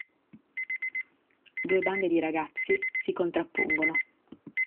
Due bande di ragazzi si contrappongono.